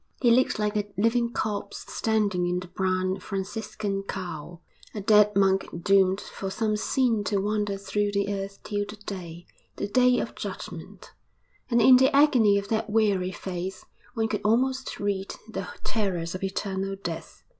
He looked like a living corpse standing in the brown Franciscan cowl a dead monk doomed for some sin to wander through the earth till the day, the Day of Judgment; and in the agony of that weary face one could almost read the terrors of eternal death.